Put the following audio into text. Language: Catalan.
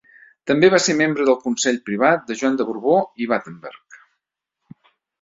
També va ser membre del consell privat de Joan de Borbó i Battenberg.